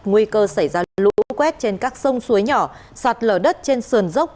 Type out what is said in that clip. nguy cơ xảy ra lũ quét trên các sông suối nhỏ sạt lở đất trên sườn dốc